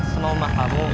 sama rumah kamu